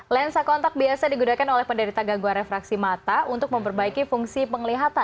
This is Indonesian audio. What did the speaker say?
lensa kontak biasa digunakan oleh penderita gangguan refraksi mata untuk memperbaiki fungsi penglihatan